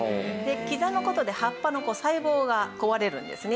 刻む事で葉っぱの細胞が壊れるんですね。